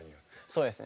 そうですね。